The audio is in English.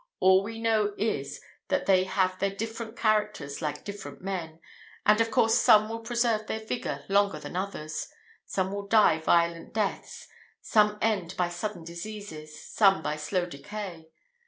All we know is, that they have their different characters like different men, and of course some will preserve their vigour longer than others; some will die violent deaths; some end by sudden diseases; some by slow decay.